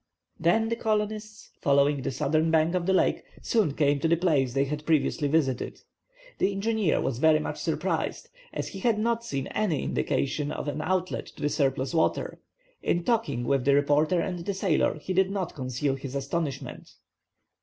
Then the colonists, following the southern bank of the lake, soon came to the place they had previously visited. The engineer was very much surprised, as he had seen no indication of an outlet to the surplus water. In talking with the reporter and the sailor, he did not conceal his astonishment.